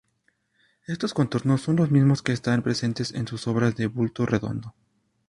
Estos contornos son los mismos que están presentes en sus obras de bulto redondo.